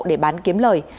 để bán kiếm lời